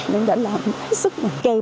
nên đã làm hết sức